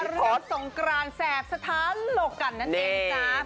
เรื่องสงกราญแสบสถาโลกกันนั่นเองจ้ะ